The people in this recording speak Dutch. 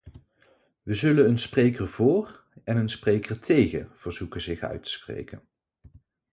We zullen een spreker voor en een spreker tegen verzoeken zich uit te spreken.